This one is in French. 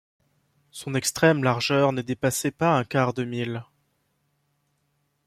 Son extrême largeur ne dépassait pas un quart de mille